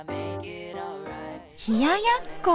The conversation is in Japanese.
冷ややっこ！